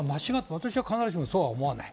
私は必ずしもそうは思わない。